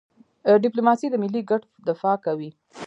ډيپلوماسي د ملي ګټو دفاع کوي.